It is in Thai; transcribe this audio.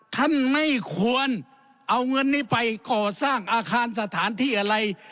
ท่านไม่ควรเอาเงินนี้ไปก่อสร้างอาคารสถานที่อะไร